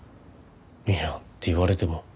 いやって言われても。